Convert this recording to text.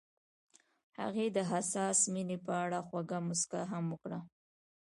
هغې د حساس مینه په اړه خوږه موسکا هم وکړه.